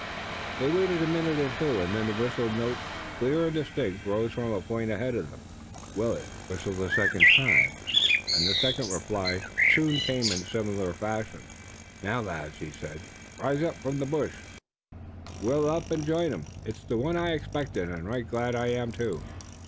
They waited a minute or two and then the whistling note, clear and distinct, rose from a point ahead of them. Willet whistled a second time, and the second reply soon came in similar fashion. "Now, lads," he said, rising from the bush, "we'll up and join 'em. It's the one I expected, and right glad I am, too."